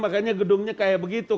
makanya gedungnya kayak begitu